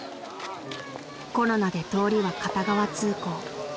［コロナで通りは片側通行］